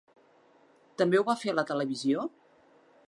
També ho va fer a la televisió?